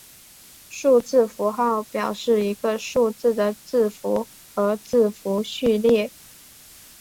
数字符号表示一个数字的字符和字符序列。